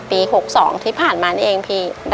ปี๖๒ที่ผ่านมานี่เองพี่